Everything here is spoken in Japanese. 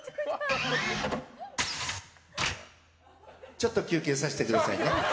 ちょっと休憩させてくださいね。